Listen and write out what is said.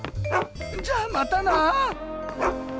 じゃあまたな。